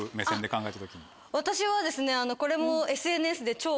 私はですねこれも。